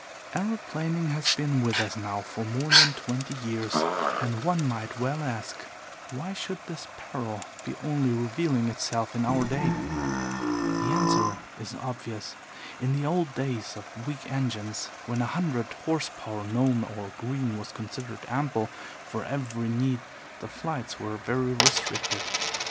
"Aeroplaning has been with us now for more than twenty years, and one might well ask: Why should this peril be only revealing itself in our day? The answer is obvious. In the old days of weak engines, when a hundred horse power Gnome or Green was considered ample for every need, the flights were very restricted.